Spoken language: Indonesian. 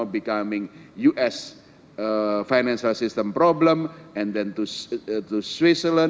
sekarang menjadi masalah sistem keuangan amerika serikat